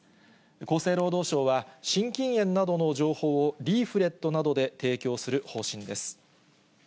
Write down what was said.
厚生労働省は、心筋炎などの情報をリーフレットなどで提供する方針です。